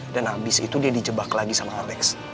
dan abis itu dia di jebak lagi sama alex